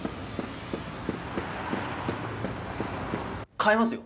変えますよ